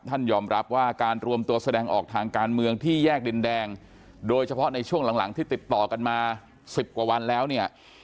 ยอมรับว่าการรวมตัวแสดงออกทางการเมืองที่แยกดินแดงโดยเฉพาะในช่วงหลังหลังที่ติดต่อกันมาสิบกว่าวันแล้วเนี่ย